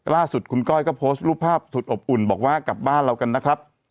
ล่าสุดคุณก้อยก็โพสต์รูปภาพสุดอบอุ่นบอกว่ากลับบ้านเรากันนะครับ